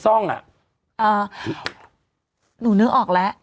ฟังลูกครับ